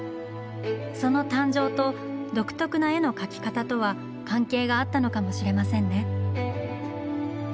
その誕生と独特な絵の描き方とは関係があったのかもしれませんね。